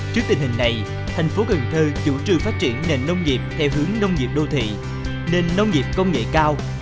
trước tình hình này thành phố cần thơ chủ trương phát triển nền nông nghiệp theo hướng nông nghiệp đô thị nền nông nghiệp công nghệ cao